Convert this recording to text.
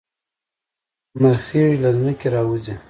مرخیړي له ځمکې راوځي